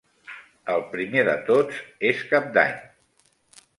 El primer de tots és Cap d'Any.